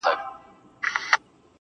• دا ستا ښكلا ته شعر ليكم.